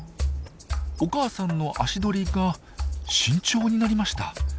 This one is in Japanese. お母さんの足取りが慎重になりました。